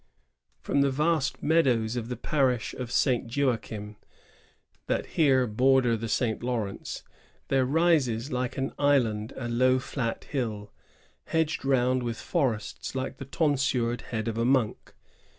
From the vast meadows of the parish of St. Joachim, which here border the St. Lawrence, there rises like an island a low flat hill, hedged round with forests like the tonsured head of a monk.